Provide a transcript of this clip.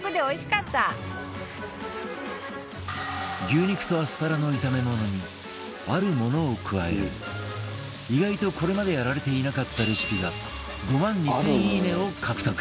牛肉とアスパラの炒め物にある物を加える意外とこれまでやられていなかったレシピが５万２０００いいねを獲得